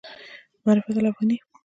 معرفت الافغاني